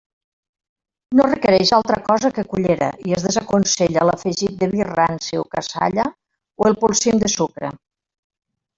No requereix altra cosa que cullera i es desaconsella l'afegit de vi ranci o cassalla o el polsim de sucre.